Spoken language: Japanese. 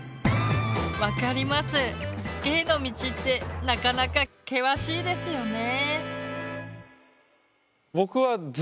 芸の道ってなかなか険しいですよね。